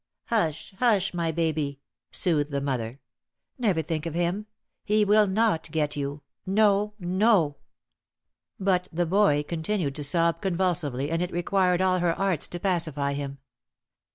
"Hush, hush, my baby!" soothed the mother. "Never think of him. He will not get you. No, no." But the boy continued to sob convulsively, and it required all her arts to pacify him.